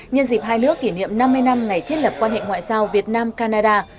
nhân dịp hai nước kỷ niệm năm mươi năm ngày thiết lập quan hệ ngoại giao việt nam canada